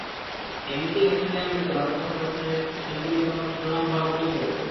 এমনিতেই অস্ট্রেলিয়ার মাটিতে ভারতের কোনো ব্যাটসম্যানের সেঞ্চুরি মোটামুটি শিরোনাম হওয়ার মতোই খবর।